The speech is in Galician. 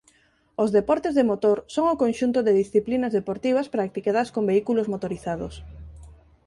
Os deportes de motor son o conxunto de disciplinas deportivas practicadas con vehículos motorizados.